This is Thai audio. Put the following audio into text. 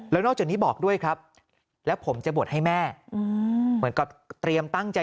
แล้วนอกจากนี้บอกด้วยครับแล้วผมจะบวชให้แม่เหมือนกับเตรียมตั้งใจ